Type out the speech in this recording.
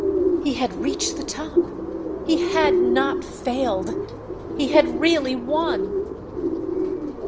He had reached the top, he had not failed!... he had really won!